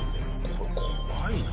これ怖いな。